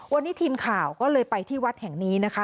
วันนี้ทีมข่าวก็เลยไปที่วัดแห่งนี้นะคะ